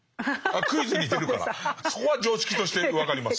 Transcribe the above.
クイズに出るからそこは常識として分かります。